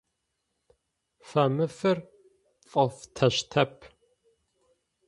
Фэмыфыр пӏофтэщтэп.